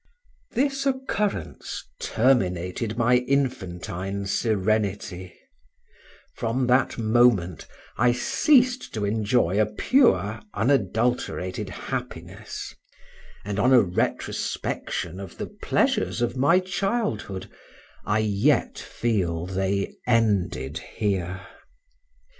This occurrence terminated my infantine serenity; from that moment I ceased to enjoy a pure unadulterated happiness, and on a retrospection of the pleasure of my childhood, I yet feel they ended here.